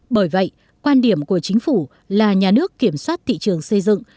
bởi vậy quan điểm của chính phủ là nhà nước kiểm soát thị trường xây dựng